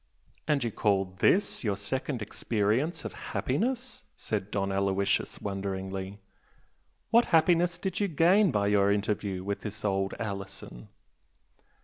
"And you call THIS your second experience of happiness?" said Don Aloysius, wonderingly "What happiness did you gain by your interview with this old Alison?"